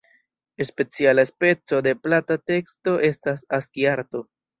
Speciala speco de plata teksto estas Aski-arto.